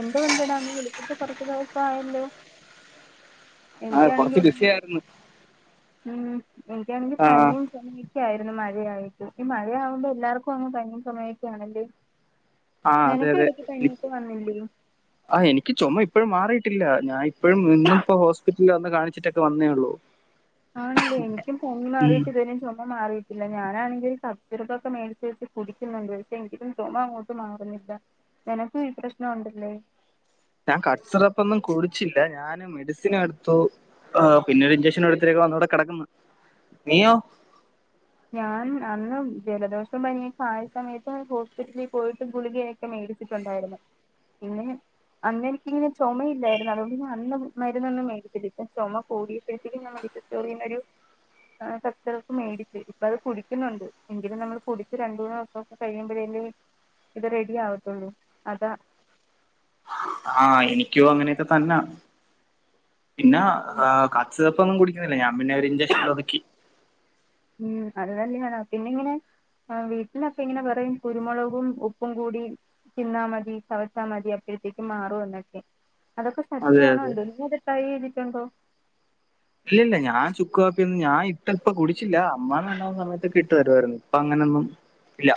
എന്തുകൊണ്ടടാ നീ വിളിച്ചിട്ട് കുറച്ച് ആ കൊറച്ച് ബിസി എനിക്കാണെങ്കിവിടെന്ന് ആയിരുന്നു ഉം എനിക്കാണെങ്കി ആ പനിയും ചൊമയും ക്ക്യായിരുന്നു മഴയായിട്ട് ഈ മഴയാകുമ്പെല്ലാർക്കും അങ് പനിയും ചൊമയൊക്കെയാണല്ലേ ആഹ് അതെയതെ ഇ വന്നില്ലേ ആഹ് എനിക്ക് ചൊമ ഇപ്പഴും മാറിയിട്ടില്ല ഞാൻ ഇപ്പഴും ഇന്നും പ്പൊ ഹോസ്പിറ്റലി വന്ന് കാണിച്ചിട്ടൊക്കെ വന്നേയുള്ളൂ ആണ് ല്ലേ എനിക്കും പനി ഉം. മാറിയിട്ട് ഇത് വെരേം ചൊമ മാറി ട്ടില്ല ഞാനാണെങ്കി കഫ്സിറപൊക്കെ മേടിച്ച് വെച്ച് കുടിക്കുന്നുണ്ട് പക്ഷെ എങ്കിലും ചൊമ അങ്ങോട്ട് മാറുന്നില്ല നിനക്കു ഈ പ്രശ്ന ഉണ്ടല്ലേ ഞാൻ കഫ്സിറപ്പൊന്നും കുടിച്ചില്ല ഞാന് മെഡിസിനെടുത്തു ആ പിന്നൊരുഞ്ചക്ഷനെടുത്തിവിടെ വന്ന്വിടെ കെടക്ക്ന്ന് നീയോ ഞാനും അന്ന് ജലദോഷും പനിയൊക്കായ സമയത്ത് ഹോസ്പിറ്റലി പോയിട്ട് ഗുളിക ക്കെ മേടിച്ചിട്ടുണ്ടായിരുന്നു പിന്നെ അന്ന് എനിക്കിങ്ങനെ ചൊമയില്ലായിരുന്നു അതോണ്ട് അന്ന് മര്ന്നൊന്നും മേടിച്ചില്ല ഇപ്പം ചൊമ കൂടിയപ്പോഴത്തേക്കും [unintelligible] [unintelligible] കാര്യും ആഹ് കഫ്സിറപ്പ് മേടിച്ച് പ്പത് കുടിക്കുന്നുണ്ട് എങ്കിലും നമ്മള് കുടിച്ച് രണ്ട് മൂന്നൂസൊക്കെ കയ്യുമ്പഴല്ലേ ഇത് റെഡി ആവത്തൊള്ളു അതാ ആഹ് എനിക്കും അങ്ങനെയൊക്കെ തന്ന പിന്നെ കച് സിറപ്പൊന്നും കുടിക്കുന്നില്ല ഞാ പിന്നൊരു ഇൻചക്ഷല്ല് ഒതുക്കി ഉം അത് തന്നെയാണ് പിന്നെങ്ങനെ ആ വീട്ടിലൊക്കെങ്ങനെ പറയും കുരുമുളകും ഉപ്പും കൂടി തിന്നാ മതി ചവച്ചാ മതി അപ്പോഴത്തേക്കും മാറും എന്നൊക്കെ അതൊക്കെ അതെ സത്യമാണോ അതെ എന്തോ നീ അത് ട്രൈ ചെയ്തിട്ടുണ്ടോ ഇല്ലല്ല ഞാൻ ചുക്കാപ്പിയൊന്നും ഞാൻ ഇട്ട് പ്പ കുടിച്ചില്ല അമ്മാ [unintelligible] സമയത്തൊക്കെ ഇട്ട് തരുവായിരുന്നു ഇപ്പ അങ്ങനൊന്നും ഇല്ല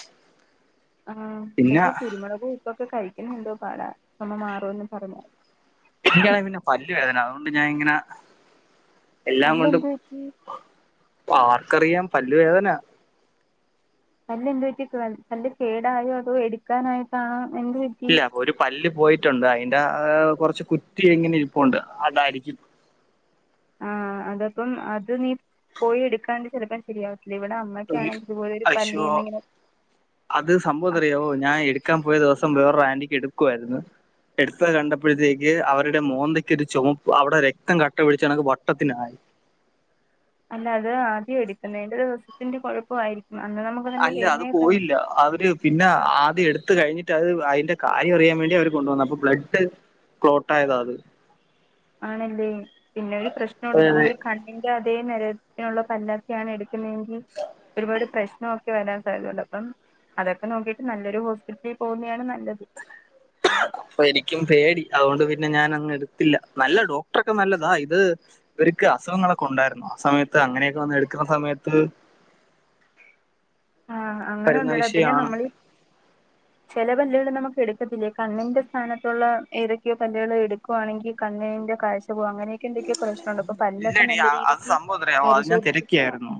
ആഹ് പിന്നെ പക്ഷെ കുരുമുളകും ഉപ്പൊക്കെ കഴിക്കണെ എന്തോ പാടാ ചൊമ മാറും എന്നും പറഞ്ഞാല് എനിക്കാണെ പിന്നെ പല്ലുവേദന അതോണ്ട് ഞാങ്ങനെ എല്ലാം പല്ല് കൊണ്ടും എന്ത് പറ്റി ആർക്കറിയാം പല്ല് വേദന പല്ല് എന്ത് പറ്റി പല്ല് കേടായോ അതോ എടുക്കാനായിട്ടാണോ എന്തു പ ഇല്ല ഒരു പല്ല് പോയിട്ടുണ്ട് അതിന്റെ ഏഹ് കുറച്ച് കുറ്റി ഇങ്ങനെ ഇരുപ്പുണ്ട് അതായിരിക്കും ആഹ് അതപ്പം അത് നീ പോയി എടുക്കാണ്ട് ചിലപ്പ ശരിയാവത്തില്ല ഇവിട അമ്മക്കാണെ ഇത്പോലൊരു അശോ പല്ലീന്ന്ങ്ങനെ അത് സംഭവം എന്താ അറിയാവോ ഞാൻ എടുക്കാൻ പോയ ദിവസം വേറൊരു ആന്റിക്ക് എടുക്കുവായിരുന്നു എടുത്തത് കണ്ടപ്പഴത്തേക്ക് അവരുടെ മോന്തക്ക് ഒരു ചുമപ്പ് അവടെ രക്തം കട്ട പിടച്ച കണക്ക് വട്ടത്തിനായി അല്ല അത് ആദ്യം എടുക്കുന്നതിൻ്റെ ദിവസത്തിന്റെ കുഴപ്പവായിരിക്കും അന്ന് നമുക്ക് നല്ല അല്ല അത് വേദനയെക്കെ കാണും പോയില്ല അവര് പിന്നെ ആദ്യം എട്ത്ത് കഴിഞ്ഞിട്ട് അത് അതിന്റെ കാര്യം അറിയാൻ വേണ്ടി അവര് കൊണ്ട് വന്നതാ അപ്പൊ ബ്ലഡ് ക്ലോട്ട് ആയതാ അത് ആണല്ലേ പിന്നെ ഒരു പ്രശ്നംണ്ട് അത് നമ്മൾ ഈ കണ്ണിന്റെ അതേ നിരത്തിനുള്ള പല്ലക്കെ ആണ് എടു ക്ക്ണെങ്കി ഒരുപാട് പ്രശ് നൊക്കെ വരാൻ സാധ്യതയണ്ട് അപ്പം അതൊക്കെ നോക്കിയിട്ട് നല്ലൊരു ഹോസ്പിറ്റലിൽ പോകുന്നയാണ് നല്ലത് അപ്പൊ എനിക്കും പേടി അതുകൊണ്ട് പിന്നെ ഞാൻ അങ്ങ് എടുത്തില്ല നല്ല ഡോക്ടറൊക്കെ നല്ലതാ ഇത് ഇവർക്ക് അസുഖങ്ങളൊക്കെ ഉണ്ടായിരുന്നു ആ സമയത്ത് അങ്ങനെയൊക്കെ വന്ന് എടുക്ക്ണ സമയത്ത് ആഹ് അങ്ങനെ വരുന്ന ഉണ്ടടാ പിന്നെ വിഷയമാണ് നമ്മള് ചെല പല്ലുകള് നമുക്ക് എടുക്കത്തില്ല കണ്ണിന്റെ സ്ഥാനത്തുള്ള ഏതൊക്കെയോ പല്ല്കള് എട് ക്കുവാണെങ്കി കണ്ണിന്റെ കാഴ്ചപോവും അനെയൊക്കെ എന്തൊക്കെ പ്രശ്ണ്ടണ്ട് അപ്പൊ പല്ലൊക്കെ ഇല്ലടീ നല്ല അത് രീതിക്ക് സംഭവം എന്താന്നറിയാവോ അത് ഞാൻ പരിശോധിച്ചിട്ട് ഞാൻരക്കിയാരുന്നു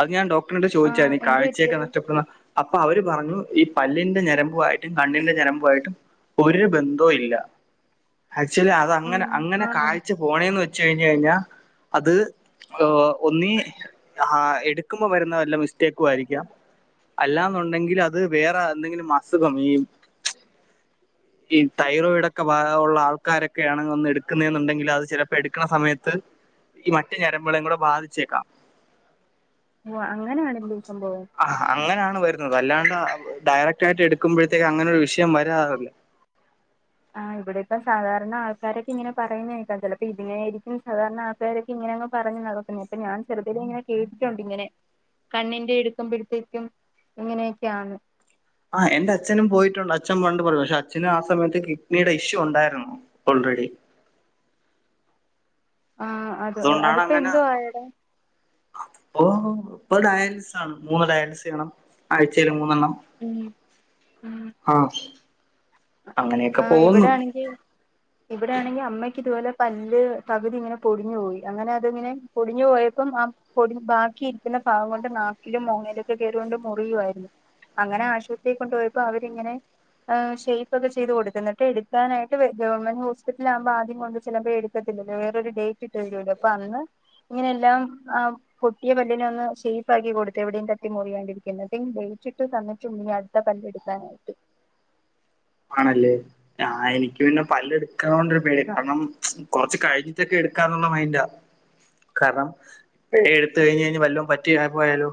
അത് ഞാൻ ഡോക്ടറിനോട് ആ ചോദിച്ചായിരുന്നു ഈ എന്ത് കാഴ്ചയക്കെ പറ്റിയത് നഷ്ടപ്പെടുന്ന അപ്പൊ അവര് പറഞ്ഞു ഈ പല്ലിന്റെ ഞരമ്പു ആയിട്ടും കണ്ണിന്റെ ഞരമ്പു ആയിട്ടും ഒരു ബന്ധവും ഇല്ല ആക്ച്വലി ഉം അതങ്ങനെ അങ്ങനെ ആണോ കാഴ്ച പോണേന്ന് വെ ച്ച് കഴിഞ്ഞ് കഴിഞ്ഞാ അത് ഏഹ് ഒന്നീ ആ എടുക്കുമ്പോ വരുന്ന വല്ല മിസ്റ്റേക്കും ആയിരിക്കാം അല്ലാന്നുണ്ടെങ്കിൽ അത് വേറെ എന്തെങ്കിലും അസുഖം ഈ ഈ തൈറോയിഡ് ഒക്കെ ഭാഗവുള്ള ആൾക്കാരൊക്കെയാണങ്ങ് വന്ന് എടുക്കുന്നേന്നുണ്ടെങ്കില് അത് ചില പ്പെടുക്കണ സമയത്ത് ഈ മറ്റു ഞരമ്പുകളേയും കൂടെ ബാധിച്ചേക്കാം ഓഹ് അങ്ങനെയാണല്ലേ സംഭവം ആഹ് അങ്ങനെയാണ് വരുന്നത് അല്ലാണ്ട ഡയറക്ട് ആയിട്ട് എടുക്കുമ്പഴത്തേക്ക് അങ്ങനെ ഒരു വിഷയം വരാറില്ല ആഹ് ഇവിടത്തെ സാധാരണ ആൾക്കാരൊക്കെ ഇങ്ങനെ പറയുന്ന കേക്കാ ചിലപ്പോ ഇതിനായിരിക്കും സാധാരണ ആ ക്കാരൊക്കെ ഇങ്ങനങ് പറഞ്ഞു നടക്കും അപ്പ ഞാൻ ചെറ്തിലേ ഇങ്ങനെ കേട്ടിട്ടുണ്ട് ഇങ്ങനെ കണ്ണിന്റെ ഇടുക്കുമ്പഴത്തേക്കും ഇങ്ങനെയൊക്കെയാണ് ആഹ് എന്റെ അച്നും പോയിട്ടുണ്ട് അച്ഛൻ പണ്ട് പറഞ്ഞു പക്ഷെ അച്ഛന് ആ സമയത്ത് കിഡ്നിയുടെ ഇഷ്യൂ ഉണ്ടായിരുന്നു ഒൾറെഡി ആഹ് അതുകൊണ്ടാണ് അങ്ങനെ അപ്പൊ ഇപ്പൊ ഡയാലിസ് ആണ് മൂന്ന് ഡയാലിസ് ചെയ്യണം ആഴ്ചയിൽ മൂന്നെണ്ണം ഉം ഉം ആഹ് അങ്ങനെയൊക്കെ ആ പോവുന്നു ഇവിടെ ആണെങ്കി അമ്മയ്ക്ക് ഇതുപോലെ പല്ല് പകുതി ഇങ്ങനെ പൊടിഞ്ഞു പോയി അങ്ങനെ അതിങ്ങനെ പൊടിഞ്ഞു പോയപ്പം ആ പൊടി ബാക്കി ഇരിക്കുന്ന ഭാഗം കൊണ്ട് നാക്കിലും മോണയിലൊക്കെ കേറിയോണ്ട് മുറിയും ആയി അങ്ങനെ ആശുപത്രിയിൽ കൊണ്ടുപോയപ്പൊ അവരിങ്ങനെ ഏഹ് ഷെയ്പ്പൊക്കെ ചെയ്ത് കൊടുത്തു എന്നിട്ട് എടുക്കാനായിട്ട് ഗവൺമെൻ്റ് ഹോസിപിറ്റലാവുമ്പോ ആദ്യം കൊണ്ട് ചെലപ്പൊ എടുക്കത്തില്ലല്ലോ വേറൊരു ഡേറ്റ് ഇട്ട് തരുവല്ലോ അപ്പൊ അന്ന് ഇങ്ങനെ എല്ലാം ആ പൊട്ടിയ പല്ലിനെ ഒന്ന് ഷേപ്പ് ആക്കി കൊടുത്ത് എവിടെേയും തട്ടി മുറിയാണ്ടിരിക്കാൻ എന്നിട്ട് ഇനി ഡേറ്റിട്ട് തന്നിട്ടുണ്ട് ഇനി അടുത്ത പല്ല് എടു താണ്ട് ആണല്ലേ. ഞാഹ് എനിക്ക് പിന്നെ പല്ല് എടുക്കാ ണ്ടൊരു പേടി. കാരണം കൊറച്ച് കഴിഞ്ഞിട്ടൊക്കെ എടുക്കാന്നുള്ള മൈൻഡാ. കാരണം ഇപ്പഴെ എടുത്ത് കഴിഞ്ഞ ഞ്ഞി വല്ലതും പറ്റി പോയാലോ?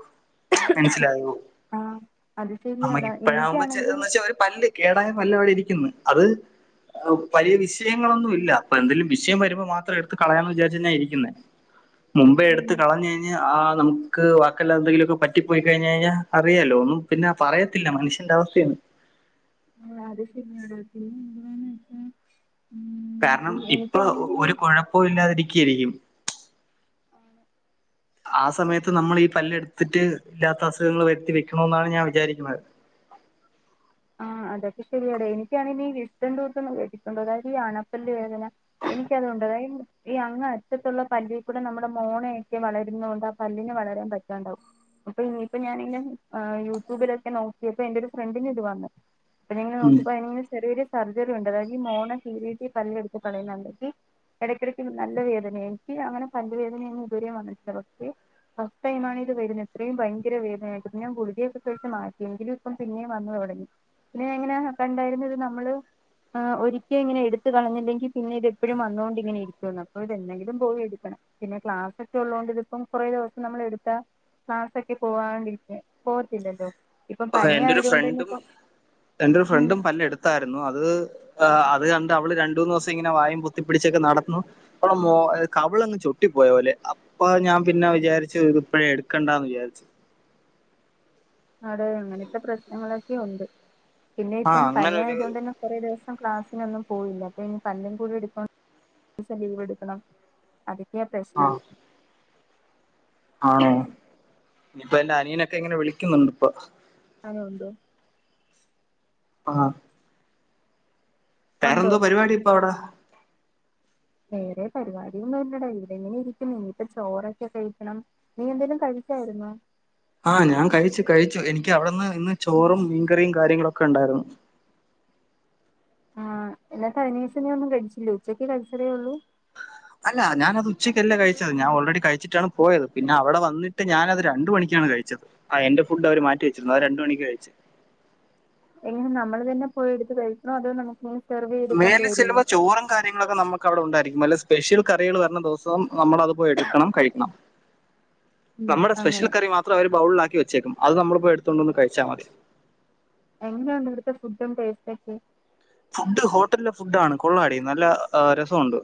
മനസ്സിലായോ. ആഹ് അത് ശരിയാടാ നമുക്ക്പ്പഴാകുമ്പോ എനിക്കാണെങ്കിൽ ച്ച പല്ല് കേടായാ പല്ല വടെ ഇരിക്കുന്നു. അത് വലിയ വിശയങ്ങളൊന്നും ഇല്ല. പ്പോ എന്തെലും വിഷയ വരുമ്പോ മാത്രം എടുത്ത് കളയാന്ന് വിചാരിച ന്നാ ഇരിക്കുന്നേ. മുമ്പേ ഉം എടുത്ത് കളഞ് പിന്ന ആഹ് നമുക്ക് വാക്കല്ല തെ എന്തെങ്കിലൊക്കെ പറ്റിപ്പോയി കഴിഞ് കഴിഞ്ഞാ അറിയാല്ലോ ഒന്നും പിന്നെ പറയത്തില്ല. മനുഷ്യന്റെ അവസ്ഥയണ്. ആഹ് അത് ശരിയാ ടത്തി എന്താന്ന് വച്ചാ കാരണം ഇപ്പ ഒരു കുഴപ്പവും ഇല്ലാതിരിക്കായിരിക്കും. ആണ്. ആഹ് സമയത്ത് നമ്മൾ ഈ പല്ല് എടുത്തിട്ട് ഇല്ലാത്ത അസുഖങ്ങൾ വരുത്തി വെക്കണോഎന്നാണ് ഞാൻ വിചാരിക്കുന്നത്. ആഹ് അതൊക്കെ ശരിയാടേ. എനിക്കാണെങ്കി ഈ വിസ്റ്റണ്ടൂട്ടന്ന് കേട്ടിട്ടുണ്ടോ? അതായത് ഈ അണപ്പല്ല് വേദന. എനിക്കതുണ്ട്. അതായ ഈ അങ്ങറ്റത്തുള്ള പല്ലിൽ കൂടെ നമ്മുടെ മോണയൊക്കെ വളരുന്നൊണ്ട് അ പല്ലിന് വളരാൻ പറ്റാണ്ടാവും. അപ്പൊ ഇനിയിപ്പോ ഞാന് ങ്ങനെ ആഹ് യൂട്യൂബിലൊക്കെ നോക്കിയപ്പോ എന്റെരു ഫ്രണ്ടിന് ഇത് വന്നു. പ്പൊ ങ്ങനേ ഉം. നോക്കിപ്പോ അഹ്ങ്ങനെ ചെറിയരു സർജറി ഉണ്ട്. അതായത് ഈ മോണ കീറി ട്ട് ഈ പല്ലടുത്ത് കളയുന്നണ്ടങ്കി ഇടയ്ക്കിടയ്ക്ക് നല്ല വേദനയ. എനിക്ക് അങ്ങനെ പല്ല് വേദനയൊന്നും ഇതുവരേ വന്നിട്ടില്ല. പക്ഷേ ഫസ്റ്റ് ടൈമാണ് ഇത് വരുന്ന. ഇത്ത്രയും ഭയങ്കര വേദനായി. ഞാൻ ഗുളിക യൊ ക്കെ കഴിച്ച് മാറ്റിയെങ്കിലും ഇപ്പം പിന്നേം വന്നു തുടങ്ങി. പിന്നെ എങ്ങനെ കണ്ടായിര്ന്നത്. നമ്മള് ആഹ് ഒരിക്ക ഇങ്ങനെ എടുത്ത് കളഞ്ഞില്ലെങ്കിൽ പിന്നെ ഇത് എപ്പഴും വന്നൊണ്ട് ങ്ങനെ ഇരിക്കുവന്ന് അപ്പോ ഇതെന്നെങ്കിലും പോയി എടുക്കണം. പിന്നെ ക്ലാസക്കെ ഉള്ളൊണ്ട് ഇതിപ്പം കുറേ ദിവസം നമ്മൾ എടുത്താ ക്ലാസ്സൊക്കെ പോവാണ്ടിട്ട് പോവത്തില്ലല്ലോ. ഇപ്പൊ പനി ആയതുകൊണ്ട് ന്നെ ഇപ്പ എന്റെ ഒരു ഫ്രണ്ടും പല്ല് എടുത്തായിരുന്നു. അത് അത് കണ്ട് അവള് രണ്ടൂ ന്നൊസം ഇങ്ങനെ വായം പുൊത്തിപ്പിടിച്ചൊക്കെ നടന്നു. ഓളെ മൊ അഹ് കവിളങ് ചൊട്ടിപ്പോയ പോലെ. ആഹ് ഇപ്പൊ ഞാൻ പിന്നെ വിചാരിച്ചു ഇത് ഇപ്പോ എടുക്കണ്ടാന്ന് വിചാരിച്ചു. ആടെ അങ്ങനത്തെ പ്രശ്നങ്ങളൊക്കെ ഉണ്ട്. പിന്നെ ആ ഇപ്പം അങ്ങനെ പനി ഒരു ആയതു കൊണ്ടന്നെ കുറേ ദിവസം ക്ലാസ്സിനൊന്നും പോയില്ല. അപ്പൊ ഇനി പല്ലും കൂടി എടുക്കണസം ലീവ് എടുക്കണം. അതൊക്കെയാ ആ പ്രശ്നം. ആണോ. ഇനിയിപ്പ എന്റെ അനിയനൊക്കെ ഇങ്ങനെ വിളിക്കുന്നുണ്ട് ഇപ്പൊ. ആണൊ. ന്ധോ ആഹ്! ഉണ്ടോ വേറെന്തോ പരിപാടി പ്പ അവിടെ. വേറെ പരിപാടി ഒന്നുംല്ലടാ. ഇവിടെ ങ്ങനെ ഇരിക്കുന്നു. ഇനിയിപ്പ ചോറൊക്കെ കഴിക്കണം. നീ എന്തേലും കഴിച്ചായിരുന്നോ? ആഹ് ഞാൻ കഴിച്ചു കഴിച്ചു. എനിക്ക് അവിടുന്ന് ഇന്ന് ചോറും മീൻകറിയും കാര്യങ്ങളൊക്കെ ണ്ടായിരുന്നു. ആഹ് ഇല്ല കയ്ഞ്ഞീസം നീ ഒന്നും കൈച്ചില്ലേ. ഉച്ചക്ക് കൈച്ചതേ ഉള്ളു. അല്ല ഞാനത് ഉച്ചയ്ക്കല്ല കഴിച്ചത്. ഞാൻ ഓൾറെഡി കഴിച്ചിട്ടാണ് പോയത്. പിന്നെ അവിടെ വന്നി ട്ട് ഞാനത് രണ്ട് മണിക്കാണ് കഴിച്ചത്. ആഹ് എന്റെ ഫുഡ് അവര് മാറ്റി വെച്ചിരുന്നു. അഹ് രണ്ട് മണിക്കാ കഴിച്ച്. എങ്ങനെ നമ്മള് തന്നെ പോയി എടുത്ത് കഴിക്കണോ. അതോ നമുക്ക്. മേൽല് ചെല്ലുമ്പൊ ചോറും. കാര്യങ്ങളൊക്കെ നമുക്ക് അവിടെ ഉണ്ടായിരിക്കും. വല്ല സ്പെഷ്യൽ കറികൾ വരുന്ന ദിവൊസം നമ്മളത് പോയി എടുക്കണം. കഴിക്കണം. ഉം നമ്മുടെ സ്പെഷ്യൽ അങ്ങനെ കറി മാത്രം അവര് ബൗള്ൾ ആക്കി വെച്ചേക്കും അത് നമ്മൾപ്പോ എട്ത്തോണ്ട് വന്ന് കഴിച്ചാ മതി എന്താണ് ഇവിട്ത്തെ ഫുഡും ടോസ്റ്റക്കെ ഫുഡ് ഹോട്ടൽലെ ഫുഡാണ് കൊള്ളാടി നല്ല രസവുണ്ട്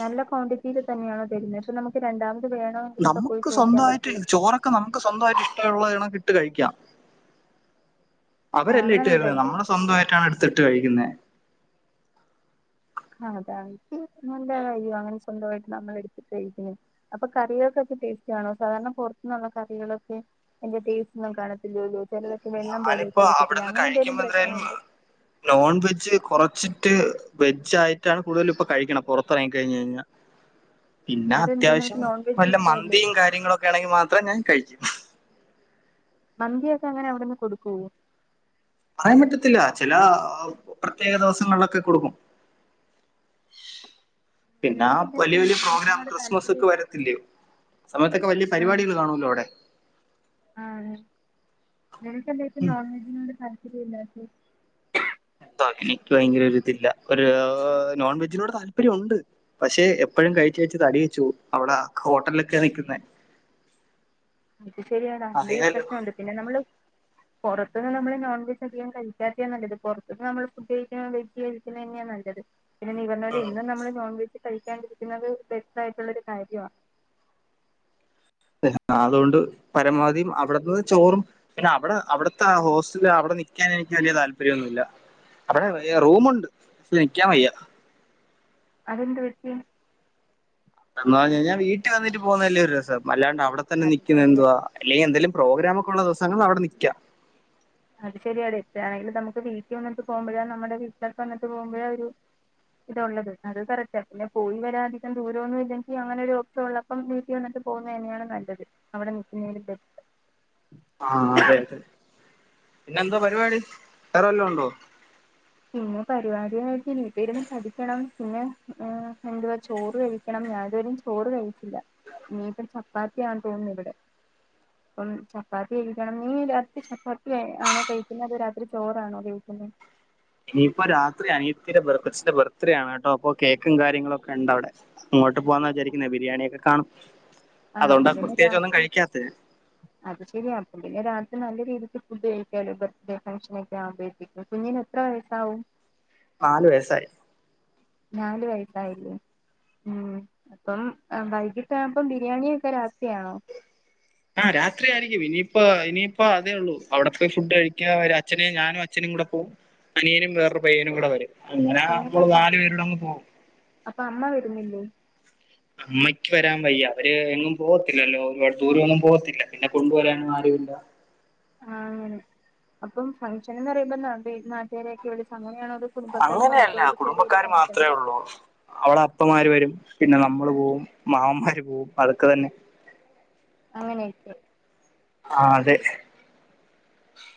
നല്ല ക്വാണ്ടിറ്റിയിൽ തന്നെയണോ തരുന്നത് ഇപ്പൊ നമുക്ക് രണ്ടാമത് വേണോ നമുക്ക് സ്വന്തായിട്ട് ചോറൊക്കെ നമുക്ക് സ്വന്തവായിട്ട് ഇഷ്ട്ടമുള്ള എണ ഇട്ട് കഴിക്കാം ആഹ് അവരെല്ലെ ഇട്ട് തര്ന്നെ അങ്ങനുണ്ടല്ലേ നമ്മള് സ്വന്തവായിട്ടാണ് എട്ത്ത് ഇട്ട് കഴിക്കുന്നെ ആഹ് അതാണ് ഈ നല്ല കയ്യോ അങ്ങനെ സ്വന്തവായിട്ട് നമ്മൾ എടുത്തിട്ട് കഴിക്കുന്നേ അപ്പൊ കറികൾക്കൊക്കെ ടേസ്റ്റാണോ സാധാരണ പൊർത്തുന്നുള്ള കറികളൊക്കെ അയ്ന്റെ ടേസ്റ്റ് ഒന്നും കാണത്തില്ലല്ലോ ചെലതൊക്കെ വെള്ളം പോലെയൊക്കെ ഞാനിപ്പോ ഇരിക്കത്തില്ലെ അവിടുന്ന് അങ്ങനെ എന്തേലും കഴിക്കുമ്പോ എന്തായാലും പ്രശ്നവുണ്ട് നോൺ വെജ് കൊറച്ചിട്ട് വെജ് ആയിട്ടാണ് കൂടുതൽ ഇപ്പൊ കഴിക്ണ് പൊറത്തെറങ്ങി കഴിഞ്ഞ് കഴിഞ്ഞാ പിന്നെ അതെന്താ നിനക്ക് അത്യാവ്ശ്യം നോൺ വെജ് വല്ല ഇഷ്ടവല്ലേ മന്തിയും കാര്യങ്ങളൊക്കെ ആണെങ്കി മാത്രം ഞാൻ കഴിക്കും മന്തിയൊക്കെ അങ്ങനെ അവ്ട്ന്ന് കൊടുക്കോ പറയാൻ പറ്റത്തില്ല ചെല പ്രത്യേക ദിവസങ്ങളിലൊക്കെ കൊടുക്കും പിന്നെ ആഹ് നിനക്കെന്താ ഇപ്പ വലിയ വലിയ നോൺ പ്രോഗ്രാം വെജിനോട് ക്രിസ്മസ് താല്പര്യം ഒക്കെ ഇല്ലാത്തെ വരത്തില്ലയോ സമയത്തൊക്കെ വലിയ പരിവാടികൾ കാണുല്ലോ അവ്ടെ ആണ് നിനക്കെന്താ ഇപ്പൊ നോൺ വെജിനോട് താല്പര്യം ഇല്ലാത്തെ താ എനിക്ക് ഭയങ്കരരൊരിതില്ല ഒരു നോൺ വെജിനോട് താല്പര്യം ഉണ്ട് പക്ഷെ എപ്പഴും കഴിച്ച് കഴിച്ച് തടി വെച്ചു അവ്ടെ ഹോട്ടൽലൊക്കെ നിക്കുന്നെ അത് ശെരിയാടാ അങ്ങനൊരു പ്രശ്നംണ്ട് പിന്നെ നമ്മള് പൊർത്തുന്ന് നമ്മള് നോൺ വെജ് അധികം കഴിക്കാത്ത്യാ നല്ലത് പൊർത്ത്ന്ന് നമ്മള് ഫുഡ് കഴ്ക്കാ വെ [unintelligible] ന്നെയാ നല്ലത് പിന്നെ നീ പർഞ്ഞ പോലെ ഉം ഇന്ന് നമ്മള് നോൺ വെജ് കഴിക്കാണ്ടിരിക്കുന്നത് ബെറ്റർ ആയിട്ടുള്ളൊരു കാര്യവാ ഇഹ് അതോണ്ട് പരമാവധിം അവിട്ന്ന് ചോറും പിന്നെ അവിടെ അവിട്ത്തെ ഹോസ്റ്റൽ അവിടെ നിക്കാൻ എനിക്ക് വലിയ താല്പര്യം ഒന്നുല്ല അവിടെ ഹ് റൂമുണ്ട് ശേ നിക്കാൻ വയ്യ അതെന്ത് പറ്റി [unintelligible] വീട്ടി വന്നിട്ട് പോവുന്നതല്ലേ ഒരു രസം അല്ലാണ്ട് അവിടെ തന്നെ അത് നിക്കുന്നത് ശരിയാ എന്തുവാ അല്ലെങ്കിൽ എന്തെലും പ്രോഗ്രാം ഒക്കുള്ള ദിവസങ്ങള് അവിടെ നിക്കാ അത് ശെരിയാടി ഡേയ്ലി നമുക്ക് വീട്ടി വന്നിട്ട് പോവുമ്പഴാ നമ്മുടെ വീട്ടിലൊക്കെ വന്നിട്ട് പോവുമ്പഴാ ഒരു ഇതുള്ളത് അത് കറക്റ്റാ പിന്നെ പോയി വരാധികം ദൂരമൊന്നും ഇല്ലെങ്കി അങ്ങനെ ഒരു റ്റുള്ളപ്പം വീട്ടി വന്നിട്ട് പോകുന്നന്നെയാണ് നല്ലത് അവിടെ നിക്കുന്നീരി ആഹ് അതെ അതെ പിന്നെന്തോ പരിവാടി വേറെ വല്ലോ ഉണ്ടോ പിന്നെ പരിവാടി എന്ന് വെച്ചാ വീട്ടി ഇരുന്ന് പഠിക്കണം പിന്നെ ഹ് എന്തുവാ ചോറ് കഴി ക്കണം ഞാൻ ഇതു വരെം ചോറ് കഴിച്ചില്ല ഇനിയിപ്പം ചപ്പാത്തിയാ തോന്നുന്നു ഇവിടെ [inaudible] അപ്പം ചപ്പാത്തി കഴിക്കണം നീ ളം ഉം ചപ്പാത്തി കഴിക്കണം നീ രാത്രി ചപ്പാത്തി ആണോ കഴിക്കുന്നത് രാത്രി ചോറാണോ കഴിക്കുന്നെ ഇനിയിപ്പോ രാത്രി അനിയത്തിടെ [unintelligible] ബർത്ത്ഡേ ആണ് കേട്ടോ അപ്പൊ കേക്കും കാര്യങ്ങളും ഒക്കെ ഉണ്ട് അവിടെ അങ്ങോട്ട് പോവാന്ന വിജാരിക്കുന്നെ ബിരിയാണിയൊക്കെ കാണും ആഹ് അതു അപ്പൊ കെണ്ടാ പിന്നെ പ്രത്യേകിച്ച് ഒന്നും രാത്രി കഴിക്കാത്തെ [inaudible] അത് ശെരിയാ അപ്പ പിന്നെ രാത്രി നല്ല രീതിക്ക് ഫുഡ് കഴിക്കാലോ ബർത്ത്ഡേ ഫങ്ങ്ഷനൊക്കെ ആവുമ്പൊ [unintelligible] കുഞ്ഞിന് എത്ര വയസ്സാവും നാല് വയസ്സായി നാല് വയസായില്ലേ ഉം അപ്പം അഹ് വൈകിട്ടാവുമ്പം ബിരിയാണിയൊക്കെ രാത്രിയാണോ ആ രാത്രിയായിരിക്കും ഇനിയിപ്പോ ഇനിയിപ്പോ അതേ ഉള്ളൂ അവിടെ ആഹ് രാത്രി ആയിരിക്കും ഇനിയിപോ ഇനിയിപോ അത് അവടപ്പോ‌ ഫുഡ് കഴിക്കാ അവരേം അച്ഛനേം ഞാനും അച്ഛനും കൂടെ പോവും അനിയനും വേറൊരു പയ്യനും കൂടെ വരും അങ്ങന എങ്ങനെയാ മ്മള് അപ്പ നാല് പേരുടെ അങ്ങ് പോം. അപ്പൊ അമ്മ വെര്ന്നില്ലേ? അമ്മയ്ക്ക് വരാൻ വയ്യ അവര് എങ്ങും പോവത്തില്ലല്ലോ ഒരുപാട് ദൂര ഒന്നും പോവത്തില്ല പിന്നെ കൊണ്ട് വരാനും ആരുല്ല. ആഹ് അങ്ങനെ അപ്പം ഫംഗ്ഷൻ എന്ന് പറയുമ്പോ ന നാട്ടാരൊക്കെ വിളിച് അങ്ങനെയാണോത്? അങ്ങനെയല്ല കുടുംബക്കാര് മാത്രെ ഉള്ളൂ. അവളെ അപ്പമാര് വരും പിന്നെ നമ്മള് പോവും മാമമ്മാര് പോവും അതൊക്കെ തന്നെ. അങ്ങനെകെ. ആഹ് അതെ.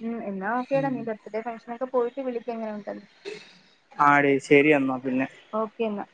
ഉം എന്നാ ഓക്കേടാ ഉം നീ ബർത്ത്ഡേ ഫംഗ്ഷന് ഒക്കെ പോയിട്ട് വിളിക്ക് എങ്ങനെ ഉണ്ടെന്ന്. ആടേ ശെരി എന്നാ പിന്നെ. ഓക്കെ ന്നാ.